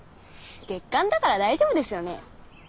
月刊だから大丈夫ですよね。